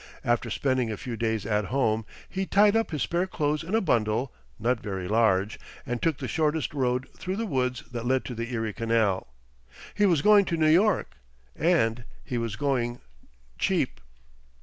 After spending a few days at home, he tied up his spare clothes in a bundle, not very large, and took the shortest road through the woods that led to the Erie Canal. He was going to New York, and he was going cheap!